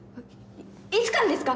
いつからですか？